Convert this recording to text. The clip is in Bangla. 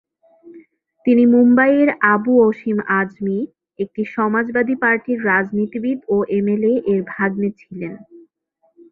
তিনি মুম্বাই এর আবু অসীম আজমি, একটি সমাজবাদী পার্টির রাজনীতিবিদ ও এমএলএ এর ভাগ্নে ছিলেন।